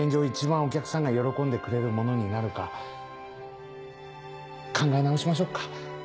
一番お客さんが喜んでくれるものになるか考え直しましょっか。